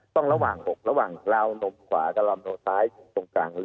ต้องระหว่างหกระหว่างราวตรงขวาตรงขวาตรงซ้ายตรงกลาง